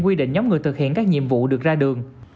quy định nhóm người thực hiện các nhiệm vụ được ra đường